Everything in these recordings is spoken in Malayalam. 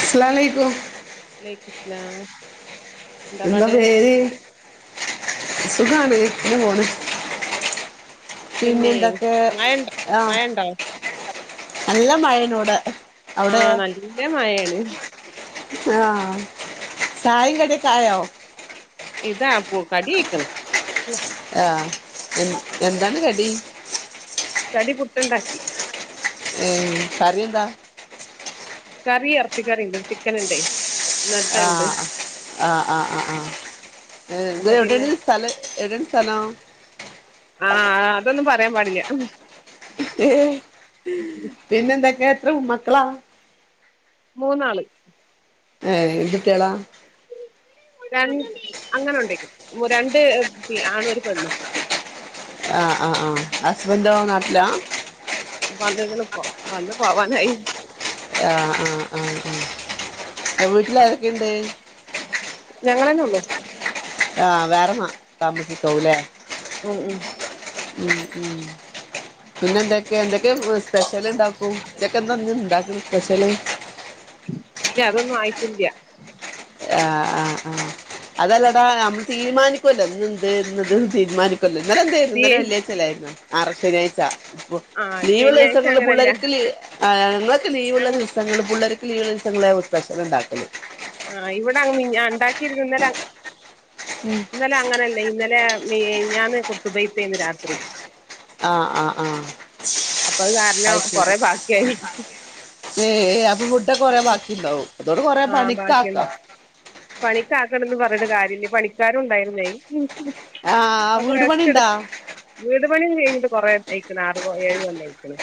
അസ്ലലാമു അലൈക്കും വലൈക്കും സലാം എന്താ പേര്? സുഖാണ് അങ്ങനെ പോണ് പിന്നെ എന്തൊക്കെ മഴണ്ടോ ആഹാ മഴണ്ടോ നല്ല മഴയാണ് ഇവടെ ആഹ് നല്ല മഴയാണ് ആഹ് ചായെം കടീം ക്കായോ? ഇതാപ്പു കടി ആയിക്ക്ണ് ആഹ് എ എന്താണ് കടി? കടി പുട്ടുണ്ടാക്കി ഏ കറി എന്താ? കറി ഇറച്ചിക്കറി ണ്ട്, ചിക്കൻ ണ്ടേ ആഹ ആഹാ ആഹാ ആഹാ ആഹാ ഇത് അപ്പൊ പിന്നെ എവിടേണ് സ്ഥല എവിടേണ് സ്ഥലം? ആഹാ അതൊന്നും പറയാൻ പാടില്ല ഏ പിന്നെ എന്തൊക്കെ, എത്ര മക്കളാ? മൂന്നാള് ഏ എന്ത് കുട്ട്യാളാ? രണ് അങ്ങനെ കൊണ്ടേയ്ക്ക രണ്ട് ആണ് ഒരു പെണ്ണും ആഹ് ആഹ് ആ ഹസ്ബന്റോ നാട്ടിലാ വന്ന്ക്ക്ണ് ഇപ്പൊ വന്ന് പോവാന് ആയി ആഹ ആഹ് ആഹ ആൻ്റെ വീട്ടിൽ ആരൊക്കെയുണ്ട്? ഞങ്ങളന്നെ ഉള്ളൂ ആഹ് വേറെന്ന താമസിക്കാവുംല്ലേ ഉം ഉം ഉം ഉം പിന്നെ എന്തൊക്കെയ എന്തൊക്കെ സ്പെഷ്യല് ഇണ്ടാക്കും? ഉച്ചക്ക് എന്താന്ന് ഇണ്ടാക്ക്ണ് സ്പെഷ്യല്? ഇല്ല അതൊന്നും ആയിട്ടില്ല്യ ആഹ് ആഹ് ആഹ് അതല്ലേടാ നമ്മൾ തീരുമാനിക്കുവല്ലോ ഇന്ന് ഇന്ത് ഇത് തീരുമാനിക്ക് ഇന്നലെന്തായിരുന്നു ഈ ഇന്നലെ വെള്ളിയാഴ്ചായിരുന്നു ആറ് ശനിയാഴ്ച ഇപ്പ ആഹ് ലീവുള്ള ശനിയാഴ്ച ദിവസങ്ങളില് അങ്ങനല്ല പുള്ളേരക്കില് ആഹ് ഞങ്ങക്ക് ലീവുള്ള അങ്ങ് ദിവസങ്ങള് പിള്ളേർക്ക് ലീവുള്ള ദിവസങ്ങളാ സ്പെഷ്യല് ഉണ്ടാക്കല് ആഹ് ഇവിടെ അങ് ഞാ ണ്ടാക്കി ഇന്നലെ ഉം ഇന്നലെ അങ്ങനെയല്ലേ ഇന്നലെ ഞാൻ കുത്തുബൈത്തേന്ന് രാത്രി ആഹാ ആഹാ ആഹാ അപ്പൊ അത് കാരണം കൊറെ ബാക്കിയായ് ഏ അത് ഫുഡ് കൊറേ ബാക്കി ണ്ടാവും അതോണ്ട് കൊറേ പണിക്ക് ആക്കാവും പണിക്കാക്കാണ് ണ്ട് ന്ന് പറഞ്ഞിട്ട് കാര്യംയില്ല പണിക്കാരും ണ്ടായിരുന്നേ ഉം ഉം ആഹ് അപ്പൊ വീട് റസ്റ്റ് പണിണ്ടാ എടുത് വീട് പണി കെഴിഞ്ഞിട്ട് കൊറെ ആയിക്ക്ണ് ആറ് ഏഴ് കൊല്ലായിക്ക്ണ്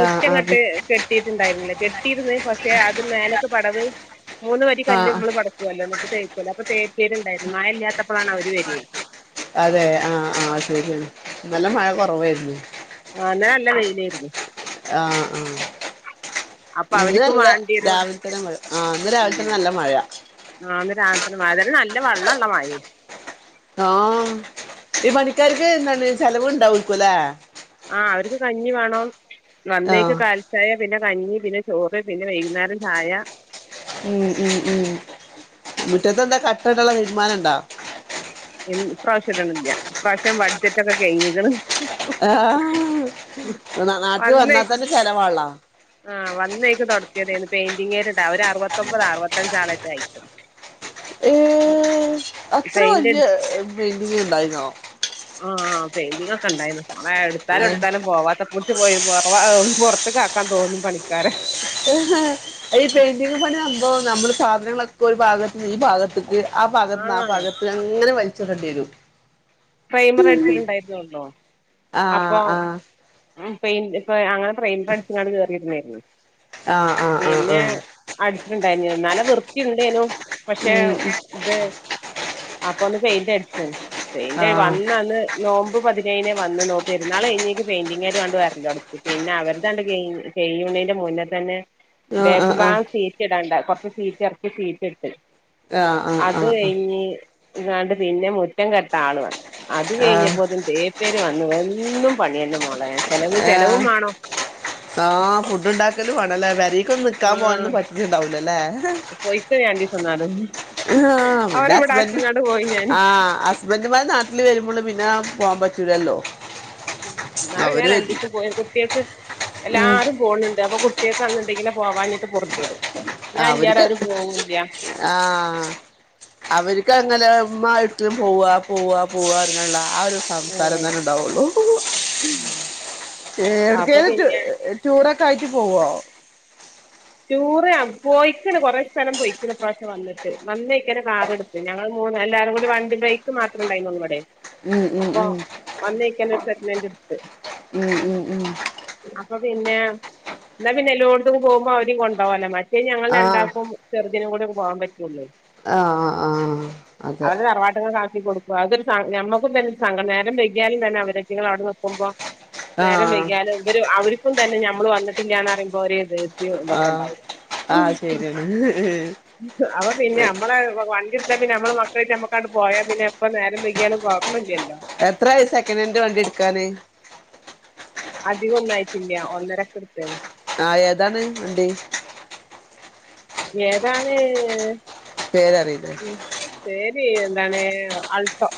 ആഹ് ഇങ്ങട്ട് ആഹ് കെട് കെട്ടിയിട്ടുണ്ടായിരുന്നില്ല കെട്ടിയിര്ന്ന് പക്ഷെ അത് മേലൊക്കെ പടവ് മൂന്ന് വരി കല്ല് ആഹ് നമ്മള് പട് മേലോട്ട തേയ്ക്കൊല്ലാ അപ്പൊ തേപ്പേരുണ്ടായിരുന്നു മഴ ഇല്ലാത്തപ്പോഴാണ് അവര് വര്യേ അതെ ആഹ ആഹ ശരിയാണ് ന്നലെ മഴ കൊറവായിരുന്ന്. ആഹാ ന്നലെ നല്ല വെയിലേര്ന്ന് ആഹ് ആഹ് അപ്പൊ ഇന്ന് അവര്ക്കും നല്ല വേണ്ടിയൊരു രാവിലത്തെന്നെ മഴ ആഹ് ന്ന് രാവിൽ തെന്നെ നല്ല മഴ ആഹ ന്ന് രാവ്ൽതെന്നെ മഴ ത് നല്ല വെള്ളള്ളമയീം ആഹ് ഈ പണിക്കാർക്ക് ന്തണ് ചെലവ്ണ്ടാവേക്കു ല്ലെ ആഹ അവർക്ക് കഞ്ഞി വേണം നന്നേക്ക് ആഹ് കാൽ ചായ പിന്നെ കഞ്ഞി പിന്നെ ചോറ് പിന്നെ വൈകുന്നേരം ചായ മ് മ് മ് മുറ്റത്തെ ന്താ കട്ടടാള്ള തീര്മാനം ണ്ടാ എൻ ഇപ്ര്രാവശ്യട്ണില്യ ഇപ്ര്രാവശ്യം ബട്ജറ്റൊക്കെ കഴിഞ്ഞിക്ണ് ആഹ നാട്ടില് വന്നാ വന്നേക്ക് തന്നെ ചെലവാണല്ലോ ആഹ് വന്നേയ്ക്ക് തൊട്ത്യതേനി പെയിന്റിങ്ങാര്ട്ടൊ അവര് അറുപത്തൊമ്പത് അറുപത്തഞ്ചാളറ്റെ അയ്ക്ണ് ഏഹ് അത്ര പെയിന്റ് അടി വല്യ പെയിന്റിംഗ് ണ്ടായിന്യോ ആഹ പൈന്റിങൊക്കെ ണ്ടായിര്ന്നു മോളെ എട്ത്താലും ഏഹ് ട്ത്താലും പോവാത്ത പോയി പൊർത്ത്ക്കാക്കാൻ തോന്നും പണിക്കാരെ ഈ പെയിന്റിംഗ് പണി സംഭവം നമ്മള് സാധനങ്ങളൊക്കെ ഒരു ഭാഗത്ത ഈ ഭാഗത്ത ആഹ ഭാഗത്ന്ന് ആ ആഹ് ഭാഗത് ങ്ങനെ വൽച്ടെണ്ടി വരും പ്രൈമർ അടിച്ചിട്ട്ണ്ടായിര്ന്നൊള്ളു ആ അപൊ ആ പൈന്റ് അങ്ങനെ പ്രൈമറട്ച്ങ്ങാണ്ട് കേറിര്ന്നേന്നു ആ ആ ആ പിന്നെ ആ അടിച്ചിട്ടുണ്ടായിര്ന്നില്ല ന്നാലും വൃത് ണ്ടേനും പഷെ ഉം ഉം ത് അപ്പൊ ന്ന് പെയിന്റ്ട്ച്ചാണ് ആ പെയിന്റ് വന്നന്ന് നോമ്പ് പതിനേയ്നേ വന്നെ നോപ്പ് പെര്ന്നാൾ കഴിഞ്ഞേക്ക് പെയിന്റിങ്ങാരാട് വര്ലൊട്ങ്ങി പിന്ന അവർതാണ്ട് കൈഞ്ഞി ഏഴുമണിന്റെ മുന്നെ തന്നെ ആ ആ ബേക്ക് ആ ആ ബാഗഗം സീറ്റ് ടാണ്ട കൊർച്ച സീറ്റെർക്കി സീറ്റ്ട്ട് ആ അത് കൈഞ്ഞി ങ്ങാണ്ട് പിന്നെ മുറ്റം കെട്ട ആൾ വന്ന് അത് ആ ആ കഴിഞ്ഞപ്പോത് തേപേര് വന്ന് എന്നും പണിയന്നെ മോളെ ചെലവ് ചെലവും ഏഹ് വേണം ആഹ് ഫു ണ്ടാക്കലു ആണ്ല്ലേ പെരീക്കൊന്ന് ന്ന്ക്കാൻ ആഹ് പോവാ പറ്റിട്ടുണ്ടാഉല്ലല്ലേ പോയിക്ക രണ്ടീസന്നാലും ആഹ പിന്നെസ്ബന്റും ഞാന് ആഹ് ബന്റ്മാര് നാട്ടില് വരുമ്പോള് പിന്നെ പോകാൻ പറ്റൂലല്ലോ ന്നാലെ ഞാൻ അവര് വരും രണ്ടീസം പോയ് കുട്യേക്ക് ഉം എല്ലാരും പോണ്ണ്ട് അപ്പൊ കു ട്ട്യേക്ക് എങ്ങട്ടെങ്കിലു പോവാഞ്ഞിട്ട് പൊർത്യേട് ഞാൻ ല്ലാതെ അവര് പോവൂല്ല്യ ആഹ് അവർക്ക് ങ്ങനെ മ്മായിട്ട് പോവാ പോവാ പോവാ ന്നുള്ള ആ ഒരു സംസാരം ഉം തന്നെ ണ്ടാവുള്ളൂ അപ്പൊ ഏട്ക്കേലൊക്കെ പിന്നെ ടൂറൊക്കായിട്ട് പോവോ ടൂറ് പോയിക്കണ് കൊറേ സ്ഥലം പോയിക്കണ ഇപ്രാവശ്യം വന്നിട്ട് വന്നൈക്ക്ന് കാറെട്ത്ത് ഞങ്ങൾ മൂന്ന് എല്ലാരും കൂടി വണ്ടി ബേക്ക് മാത്ര ണ്ടായിരുന്നൊള്ളുവെടെ ഉം ഉം അപ്പൊ ഉം വന്നേയ്ക്കന്നെ ഒരു സെക്കനെന്റ് ട്ത് മ് മ് മ് അപ്പൊ പിന്നെ ന്നാ പിന്നെ ല്ലോട്ത്തും പോകുമ്പോ അവരിം കൊണ്ടോാവല്ലോ മറ്റെ ല് ഞങ്ങൾ ആഹ് രണ്ടാക്കും ചെറ്തിനും കൂടി പോവാൻ പറ്റുള്ളൂ ആഹ് ആഹ് അതെ അവടെ തറവാട്ടിനേക്കാ ക്കി കൊട്ക്കും അതൊരു സ ഞമ്മക്കുംപിന്നെ ഒരു സങ്കടം തന്നെ നേരം വെക്യാലു തന്നെ അവരെറ്റിങ്ങള് അവിടെ ന്ന്ക്കുമ്പോ നേരം ആഹ് വെക്യാലു വര് അവർക്കും തന്നെ നമ്മള് വന്നിട്ടില്ലാന്ന്റിമ്പോ ഒര് ദേശ്യോ തൊക്കെ ആഹ് ണ്ടാവും ആഹ് ശരിയാണ് അപ പിന്നെ അമ്മളെ വണ്ടി പിന്നെ അമ്മളെ മക്കളായ്ട്ട മ്മക്കാട് പോയാ പിന്നെ എപ്പ നേരം ബെക്യാലും കൊയപ്പല്ലല്ലോ എത്രായി സെകനെൻഡ് വണ്ട്യേട്ക്കാന് അധികൊന്നായിട്ടില്ല ഒന്നരക്കെട്ത്തേന് ആഹ് ഏതാണ് വണ്ടി ഏതാണ് പേരറിയില്ലേ പേര് എന്താണ് അൾട്ടോ.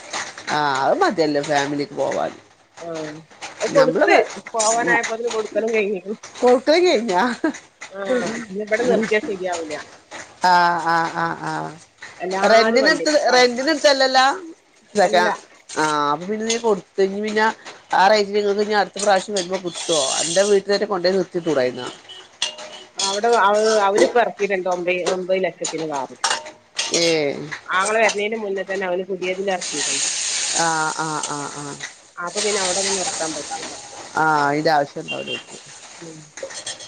ആഹ് അത് മതിയല്ലോ ഫാമിലിക്ക് പോവാന് ആഹ് അത് കൊടുത്ത് പോവാനായപ്പോത്തിന് കൊടുക്കലും കഴിഞ്ഞിക്ണ്- കൊടുക്കലുംകഴിഞ്ഞാ പിന്നെ ഇവിടെ നിർത്തിയാ ശരിയാവൂല ആഹ ആഹ് ആഹ് ആഹ് എല്ലാരും വണ്ടി റെൻണ്ടിനെടുത്ത് റെണ്ടിനടുത്ത തല്ലല്ലോ? ഇതക്കെ അല്ല [unintelligible] ആഹ് അപ്പ പിന്നെ കൊടുത്തഴിഞ്ഞാ പിന്നെ ആറേറ്റിൽ പിന്നെഅടുത്ത പ്രാവശ്യം വരുമ്പൊ കിട്ടോ അന്റെ വീട്ടി - രെ കൊണ്ടോയി നിർത്തി കൂടായിരുന്ന അവിടെ അവര്പ്പ ഇറക്കിട്ടുണ്ട് ഒമ്പത് ഒമ്പത് ലക്ഷത്തിന് കാറ് ഏ ആങ്ങള വരുന്നതിന് മുന്നേ തന്നെ അവന് പുതിയതിൽ ലെറക്കീക്ക്ണ് ആഹ് ആഹ് ആഹ് ആഹ് അപ്പൊ പിന്നെ അവിടെന്നും നിർത്താൻ പറ്റൂല ആഹ അയ്ന്റെ ആവശ്യന്നുല്ല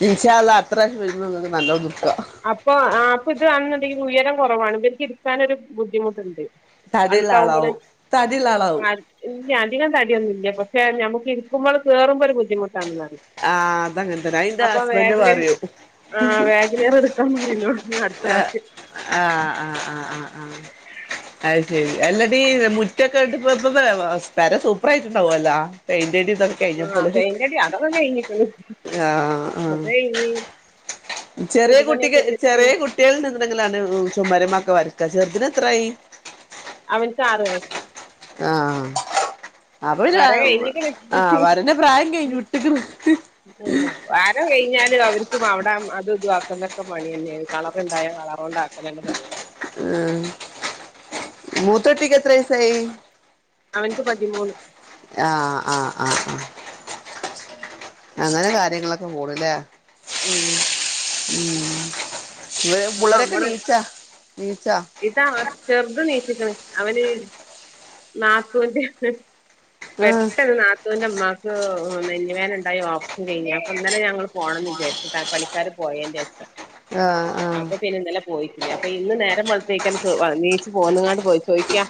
ഇൻഷാഅല്ലാഹ് അത്രഉള്ളതല്ലോനിക്കാ അപ്പൊ അപ്പൊ ഇതാന്നുണ്ടെങ്കിൽ ഉയരം കൊറവാണ് ഇവർക്ക് ഇരിക്കാനൊരു ബുദ്ധിമുട്ടുണ്ട്. തടിയുള്ള അൾട്ടാവുമ്പള് ആളാവും തടിയുള്ള ആളാവും ആ ഇല്ല അധികം തടിയൊന്നുല്ല പക്ഷെ നമക്ക് ഇരിക്കുമ്പോളും കേറുമ്പോ ഒരു ബുദ്ധിമുട്ടാണെന്ന് ആഹ് അതങ്ങതന്നെ അപ്പൊ അയ്ന്റെഹസ്ബൻന്റ് പറയും എടുക്കണോ അടുത്ത പ്രവശ്യം ആഹ് ആഹ് ആഹ് ആഹ് ആഹ് അ ശരി അല്ലാടി മുറ്റൊക്കെ ഇട്ട പ്പൊ പെര സൂപ്പർ ആയിട്ടുണ്ടാവുവല്ലോ പെയിന്റടിഇതൊക്കെ ആഹ് പെയിന്റടി അതൊക്കെ കഴിഞ്ഞിക്ക്ണ് ആഹ് ആഹ് ചെറിയ വീട് പണിയൊക്കെ കുട്ടിക്ക് ഒരുവിധം ചെറിയ കഴിഞ്ഞ് കുട്ടികള് ണ്ടങ്കിലാണ് ചുമര്മാക്കെ വരക്ക ചെറുതിന് എത്രായി? അവനിക്ക് ആറുവയസ്സ് ആഹ അപ്പൊ പിന്നെആ വര കഴിഞ്ഞിക്കണ് വരന്റെ പ്രായം കഴിഞ്ഞുവിട്ട്ക്ണ് ആ വര കഴിഞ്ഞാലുഅവർക്ക് അവിട അത് ഇതുവാക്കുന്നൊക്കെ പണി തന്നെയാണ് കളർണ്ടായൽ കളറോണ്ട് ആക്കല ന്നെ പണി ഉം മൂത്തട്ടിക്ക് എത്ര വയസ്സായി? അവനിക്ക് പതിമൂന്ന് ആഹ് ആഹ് ആഹ് ആഹ് അങ്ങനെ കാര്യങ്ങളൊക്കെ പോണ്ലേ? ഉ ഉ ഇവര് അപ്പൊ പിള്ളെരൊക്കെ നമ്മള് നീച്ചാ നീച്ചാ? ഇതാ ചെറുതെണീച്ച്ക്ക്ണ അവന് നാത്തൂന്റെ ആ പെട്ടെന്ന് നാത്തൂ ന്റെമാക്ക് നെഞ്ച് വേദന ണ്ടായി ഓപ്റഷൻ കഴിഞ്ഞ് അപ്പൊ ഇന്നലെ ഞങ്ങള് പോണംന്ന് വിചാരിച്ചതാ പണി പണിക്കാര് പോയേന്റെഷം ആഹ് അപ്പൊ പിന്നെ ഇന്നലെ പോയിറ്റില്ല അപ്പൊ ഇന്ന് നേരം വെളുത്തേക്കാ നീച്ചു പോന്നങ്ങാണ്ട് ചോയിക്കാ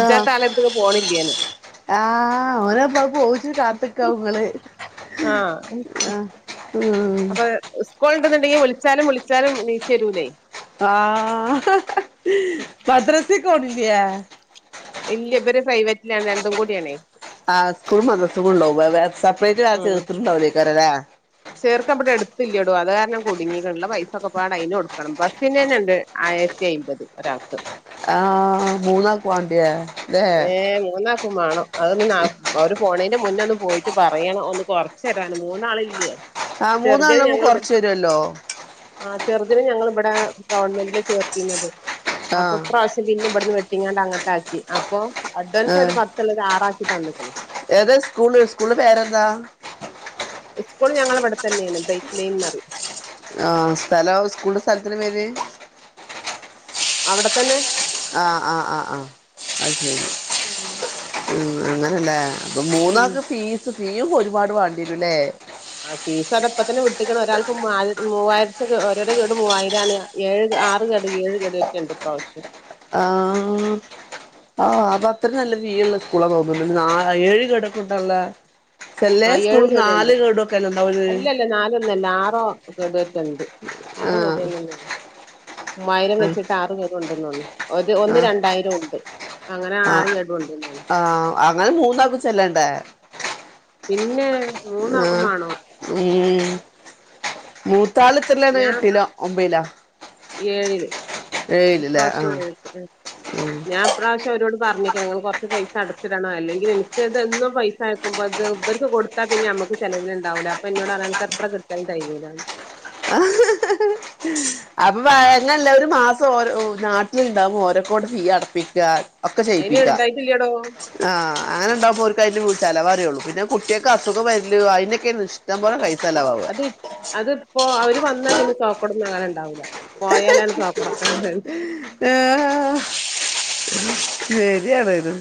ആ ആ [unintelligible] ആളര്‌ത്തേക്ക് പോണില്ലേന്ന് ആഹ് ഓനപ്പോ പോകുച്ചു കാത്ത് ക്കാ ഇങ്ങള് ആഹ് ആഹ് ഉം അപ്പൊ സ്കൂള് ഉണ്ടെന്നുണ്ടെങ്കിൽ വിളിച്ചാലും വിളിച്ചാലും ണീച്ച് വരൂല്ലേ? ആഹ മദ്രസിക്ക് പോണില്ല്യേ? ഇല്ല ഇവര് പ്രൈവറ്റിലാ രണ്ടും കൂടിയാണേ ആഹ സ്കൂൾ മദ്റസുണ്ടാകും സെപ്പറേറ്റ് വേറെ ചേർത്തിട്ടണ്ടാവില്ലേകാര [unintelligible] ല്ലെ? ചേർക്ക അവിടെ എടുത്തില്ലോടോ അത് കാരണം കുടുങ്ങി ഒള്ളെ പൈസൊക്കെ പാട അതിന് കൊടുക്കണം ബസിന് തന്നെയുണ്ട് ആയിരത്തി അയിമ്പത് ഒരാൾക്ക്- ആഹ് മൂന്നാൾക്ക് വാണ്ടിയാ ഏയ് മൂന്നാൾ- വേണം അതൊന്ന് അവര് പോണേന്റെ മുന്നെ ഒന്ന് പോയിട്ട് പറയണം ഒന്ന് കൊറച്ച് തരാന് മൂന്നാളില്ലേ ആ മൂന്നാളവുമ്പോ കൊറച്ചു തരുമല്ലോ ആ ചെറുതിനെ ഞങ്ങളിവിടെ ഗവൺമെന്റില് ചേർത്തിന്നത് അപ്പൊ ആഹ് ഇപ്രാവശ്യം- പിന്നെ ഇവിടുന്ന് വെട്ടിങ്ങാണ്ട് അങ്ങട്ടാക്കി അപ്പൊ അഡ്വാൻസ് ഏഹ് ഒരു പത്തുള്ളത് ആറാക്കി തന്ന് ഏതാ സ്കൂള് സ്കൂള് പേരെന്താ ഈ സ്കൂൾ ഞങ്ങളെ ഇവിടെ തന്നെയാണ് പൈപ്പ് ലൈൻന്ന് പറയും ആ സ്ഥലോ സ്കൂളിന്റെ സ്ഥലത്തിന്റെ പേര് അവിടെത്തന്നെ ആഹ് ആഹ് ആഹ് അത് ശരി ഉം ഉം അങ്ങനല്ലേ അപ്പൊ ഉം മൂന്നാക്ക് ഫീസ് ഫീയും ഒരുപാട് വേണ്ടിരുല്ലേ ആ ഫീസ്സൊക്കെ ഇപ്പ തന്നെ വിട്ടിക്കണ് ഒരാൾക്ക് മൂവായിര ഓരടെ ഗഡു മൂവായിരം ആണ് ഏഴ് ആറ് ഗഡു ഏഴ് ഒക്കെ ഒക്കെ ഉണ്ട് ഈപ്രാവവശ്യം ആഹ് ആ അത് അത്രയും നല്ല രീതിയുള്ള സ്കൂളാ തോന്നണ് ഏഴ് കിടക്കുണ്ടല്ല ചേലെ ആ സ്കൂൾ ഏഴ് നാല് ഗെടുയൊക്കെയല്ലേ ഒണ്ടാവാത് ഇന്നല്ല ആറോ ഗഡുയൊക്കെ ഉണ്ട് ആഹ് ആഹ് [unintelligible] ഒരു ഒന്ന് ആഹ് രണ്ടായിരം ഒണ്ട് അങ്ങനെ ആറും ഗെടും ഒണ്ട് ആ അങ്ങനെ മൂന്നാക്കും ചെല്ലണ്ടേ പിന്നെ ആ മൂന്നാക്കും വേണോ ഉം മൂത്താള് എത്രലിലാണ് ഞാൻ എട്ടിലോ ഒൻപതിലോ ഏഴില് ഏഴിലല്ലേ ഇപ്രാവശ്യം ആഹ് ഏഴില് ഉം ഞാൻ- ഇപ്രാവശ്യം അവരോട് പറഞ്ഞിക്കണ് നിങ്ങള് കൊറച്ച് പൈസ അടച്ചിടണം അല്ലെങ്കിൽ എനിക്ക് ഇത് എന്നും പൈസ അയക്കുമ്പോ അത് ഇവർക്ക് കൊടു- കൊടുത്ത പിന്നെ നമുക്ക് ചെലവിന് ഉണ്ടാവൂല അപ്പൊ എന്നോട് പറയും നിനക്ക് എത്ര കിട്ടിയാലും തെകയുലാ [unintelligible] അപ്പൊ വ എങ്ങനല്ല ഒരു മാസം ഓരോ നാട്ടിലുണ്ടാവുമ്പോ ഓനെകൊണ്ട്‌ ഫീ അടപ്പിക്കാ- ഒക്കെ അയിന് ചെയ്യിപ്പിക്കാം ഇണ്ടായിട്ടില്ലടോ ആ അങ്ങനെ ഉണ്ടാകുമ്പോൾ ഓര്ക്കു അതിന്റെ ചെലവറിയുള്ളൂ പിന്നെ കുട്ടിയൊക്കെ അസുഖം വരില് അതിനൊക്കെയ ഇഷ്ടം പോലെ പൈസ- അതീ- അതിപ്പോ അവര് വന്നാൽ പിന്നെ സോക്കോടന്നും നേരം ഉണ്ടാവൂല്ല പോയാലാണ് സോക്കോട് ഉണ്ടാവുന്നെ ആഹ് ശരിയാണത്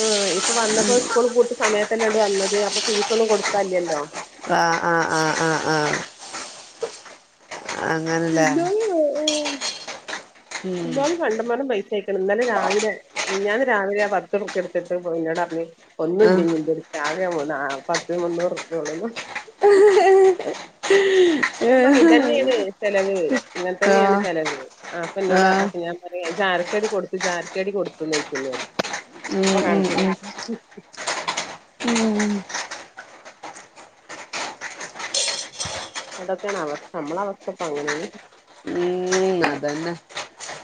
ആ ഇപ്പൊ വന്നപ്പോ സ്കൂളിൽ പൂട്ടിയ സമയത്തലാണ്ട് വന്നത് അപ്പൊ ഫീസൊന്നും കൊടുക്കലില്ലല്ലോ ആഹ് ആഹ് ആഹ് ആ ഹ് ആഹ് അങ്ങനല്ലേ ഇന്നാളി ഉം ഇന്നാളി കണ്ടമാനം പൈസ ആയി ഇന്നലെ രാവിലെ മിഞ്ഞാന്ന് രാവിലെ പത്ത് റുപ്യാ എടുത്തിട്ട് എന്നോട് പറഞ്ഞ് ഒന്നുയില്ല ആഹ് എനിക്ക് രാവിലെ പോന്നു ആ പത്ത് മുന്നൂറു പ്യ ഉള്ളൂന്ന് പറഞ്ഞു [unintelligible] അപ്പം പറഞ് ഇത് തന്നെയാണ് ചെലവ് ഇങ്ങനെ തന്നെയാണ് ആഹ് ചെലവ് അപ്പ എന്നോട് അ ആഹ് ഞാൻ ഇത് ആര്ക്കാടി കൊടുത്തു ആര് ക്കാടി കൊടുത്തത് എന്ന് ചോദിക്കും എന്നോട് അപ്പൊ ഉം ഉം കാണിച്ചു തരാം ഉം അവിടൊക്കെയാണ് അവസ്ഥ നമ്മളെ അവസ്ഥ ഇപ്പൊ അങ്ങനെയാണ് ഉം അത് തന്നെ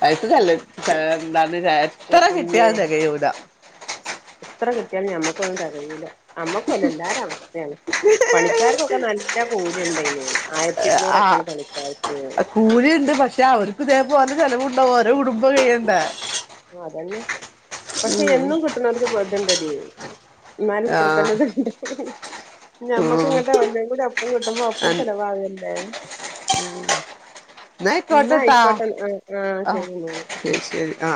അത് നല്ലത് എന്താ എത്ര കിട്ടിയാല് തെകയൂല ച് എത്ര കിട്ടിയാലും ഞമ്മക്കൊന്നും തെകയൂല നമ്മക്കല്ല എല്ലാരും അവസ്ഥയാണ് പണികാർക്കൊക്കെ നല്ല കൂലി ഉണ്ടായിന് ആയിരത്തി ഇരുന്നൂറൊക്കെയാണ് ആഹ് പണിക്കാരക് കൂലിയുണ്ട് പക്ഷെ അവർക്ക് ഇതേപോലെ ചെലവുണ്ടാവും ഓര കുടുംബ കഴിയണ്ടേ ആ അതന്നെ പക്ഷെ എന്നും കിട്ടണലോക് [unintelligible] ന്നാല് ആഹ് ഇത്രത്തന്നെ [unintelligible] ഞമ്മക്ക് ഉം ഇങ്ങട്ട് ഒന്നും കൂടി ഒപ്പം കിട്ടുമ്പോ ഒപ്പം എന്നാ ചെലവാകല്ലേ, ആയിക്കോട്ടെട്ടാ ഇന്നായിക്കോട്ടെ ആഹ് ശരിന്നാ ശരി ആ